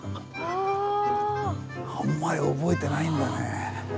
あんまり覚えてないんだね。